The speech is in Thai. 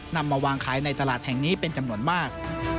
นำมาวางขายในตลาดแห่งนี้เป็นจำนวนมาก